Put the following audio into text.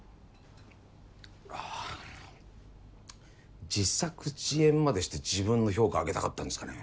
ああ自作自演までして自分の評価上げたかったんですかね。